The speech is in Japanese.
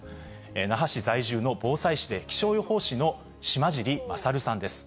那覇市在住の防災士で、気象予報士の島尻勝さんです。